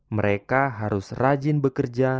mereka harus rajin bekerja